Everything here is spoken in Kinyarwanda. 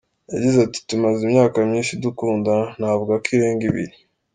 Yagize ati “Tumaze imyaka myinshi dukundana, navuga ko irenga ibiri.